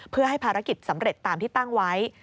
เพื่อให้ภารกิจสำเร็จตามที่ตั้งไว้